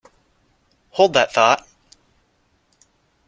Hold that thought.